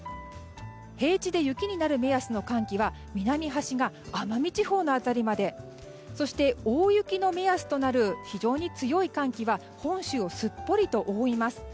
平地で雪になる目安の寒気は南端が奄美地方の辺りまでそして大雪の目安となる非常に強い寒気は本州をすっぽりと覆います。